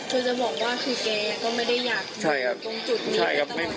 คุณจะบอกว่าคือเกรียดก็ไม่ได้อยากอยู่ตรงจุดนี้ตลอดชีวิตเลย